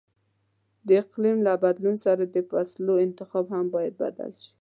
د اقلیم له بدلون سره د فصلو انتخاب هم باید بدل شي.